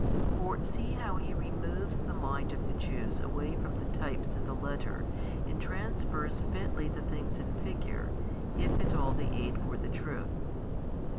For see how He removes the mind of the Jews away from the types in the letter and transfers fitly the things in figure, if at all they aid for the truth.